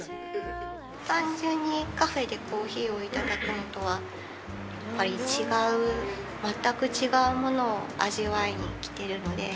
単純にカフェでコーヒーを頂くのとはやっぱり違う全く違うものを味わいに来てるので。